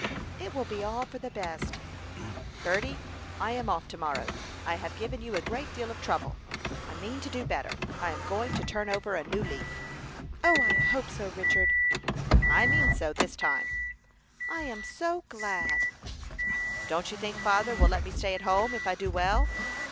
"It will be all for the best." "Berty, I am off to morrow. I have given you a great deal of trouble. I mean to do better. I am going to turn over a new leaf." "O, I hope so, Richard!" "I mean so, this time." "I am so glad!" "Don't you think father will let me stay at home, if I do well?"